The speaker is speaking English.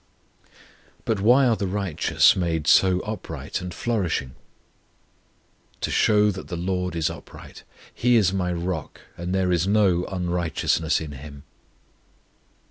But why are the righteous made so upright and flourishing? To show that the LORD is upright; He is my ROCK, and there is no unrighteousness in Him.